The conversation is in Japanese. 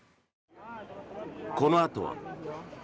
このあとは。